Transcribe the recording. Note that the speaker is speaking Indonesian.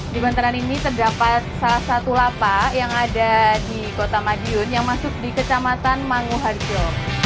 di bantaran ini terdapat salah satu lapak yang ada di kota madiun yang masuk di kecamatan manguharjo